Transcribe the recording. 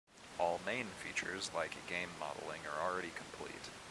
All main features like game modeling are already complete.